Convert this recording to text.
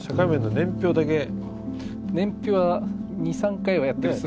年表は２３回はやってるっす。